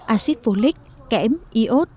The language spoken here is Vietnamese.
acid folic kẽm iốt